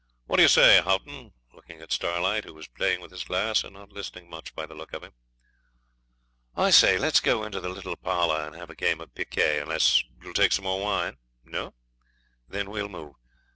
'What do you say, Haughton?' looking at Starlight, who was playing with his glass and not listening much by the look of him. 'I say, let's go into the little parlour and have a game of picquet, unless you'll take some more wine. No? Then we'll move.